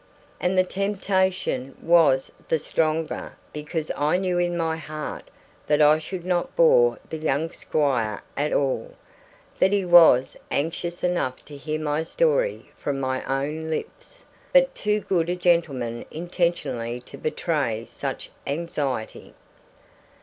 And the temptation was the stronger because I knew in my heart that I should not bore the young squire at all; that he was anxious enough to hear my story from my own lips, but too good a gentleman intentionally to betray such anxiety.